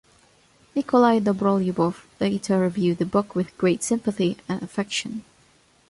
Nikolai Dobrolyubov later reviewed the book with great sympathy and affection.